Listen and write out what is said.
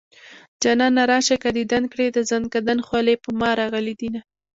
جانانه راشه که ديدن کړي د زنکدن خولې په ما راغلي دينه